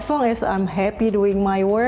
selama saya senang melakukan kerja saya